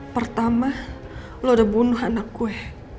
pertama lo udah bunuh anak gue